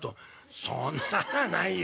「そんなのはないよ」。